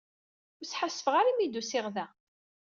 Ur ssḥasfeɣ ara mi d-usiɣ da.